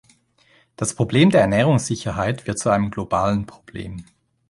Das Problem der Ernährungssicherheit wird zu einem globalen Problem.